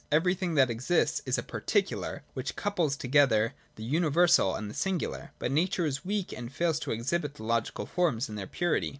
Everything that exists is a particular, which Wouples together the universal and the singular. But Nature Is weak and fails to exhibit the logical forms in their purity.